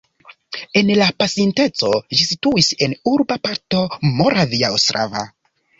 En la pasinteco ĝi situis en urba parto Moravia Ostrava.